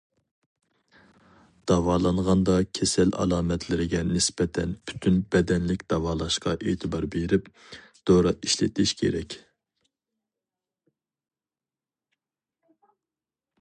داۋالانغاندا كېسەل ئالامەتلىرىگە نىسبەتەن پۈتۈن بەدەنلىك داۋالاشقا ئېتىبار بېرىپ، دورا ئىشلىتىش كېرەك.